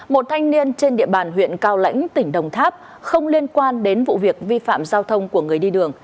một thanh niên trên địa bàn huyện cao lãnh tỉnh đồng tháp không liên quan đến vụ việc vi phạm giao thông của người đi đường